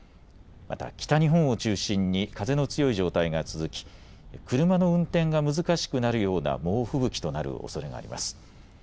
また、北日本を中心に風の強い状態が続き車の運転が難しくなるような猛吹雪となるおそれがあります。